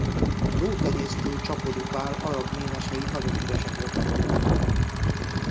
A lótenyésztő Csapody Pál arab ménesei nagyon híresek voltak Dunántúlon.